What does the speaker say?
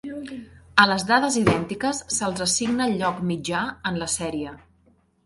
A les dades idèntiques se'ls assigna el lloc mitjà en la sèrie.